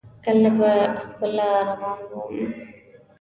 کله به خپله روان ووم.